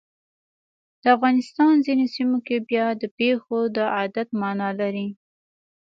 د افغانستان ځینو سیمو کې بیا د پیشو د عادت مانا لري.